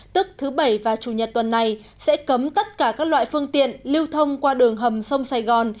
tức thứ bảy và chủ nhật tuần này sẽ cấm tất cả các loại phương tiện lưu thông qua đường hầm sông sài gòn